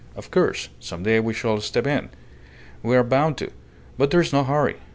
Of course, some day we shall step in. We are bound to. But there's no hurry.